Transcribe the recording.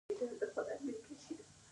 د دوی دنده د بې ګټو پانګو راټولول دي